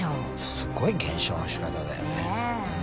すごい減少のしかただよねえ。